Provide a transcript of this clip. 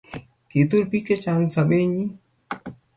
Kitur biik Chechang' Sobeenyi